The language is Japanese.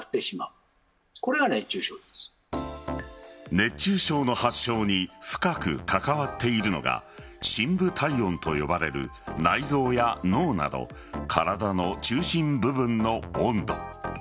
熱中症の発症に深く関わっているのが深部体温と呼ばれる内臓や脳など体の中心部分の温度。